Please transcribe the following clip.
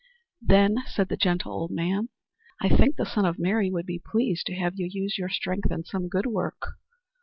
"Then," said the gentle old man, "I think the Son of Mary would be pleased to have you use your strength in some good work.